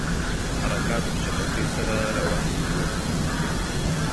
حرکات په چټکۍ سره روان وه.